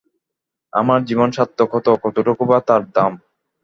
আমার জীবন সার্থক হত, কতটুকুই বা তার দাম।